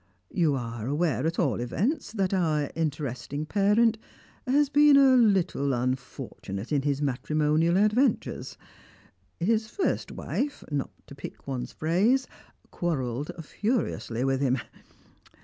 You are aware, at all events, that our interesting parent has been a little unfortunate in his matrimonial adventures. His first wife not to pick one's phrase quarrelled furiously with him.